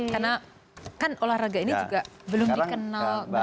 karena kan olahraga ini juga belum dikenal